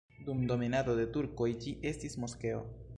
Dum dominado de turkoj ĝi estis moskeo.